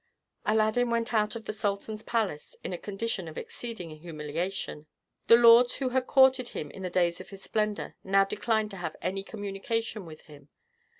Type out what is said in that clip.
Aladdin went out of the sultan's palace in a condition of exceeding humiliation. The lords who had courted him in the days of his splendor now declined to have any communication with him.